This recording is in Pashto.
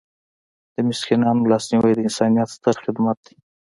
د مسکینانو لاسنیوی د انسانیت ستر خدمت دی.